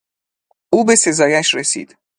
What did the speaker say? او به سزایش رسید.